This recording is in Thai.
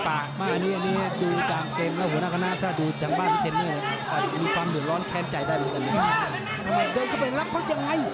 อันนี้ดูกลางเต็มแล้วหัวหน้ากลางหน้าถ้าดูจังบ้านเต็มมีความหยุดร้อนแค้นใจได้หรือเปล่า